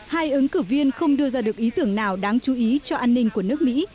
hai ứng cử viên không đưa ra được ý tưởng nào đáng chú ý cho an ninh của nước mỹ